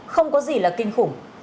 không có gì là kinh khủng